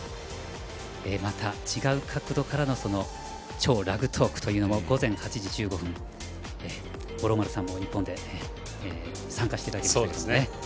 また、違う角度からのその「＃超ラグトーク」も午前８時１５分、五郎丸さんも日本で参加していただきましたが。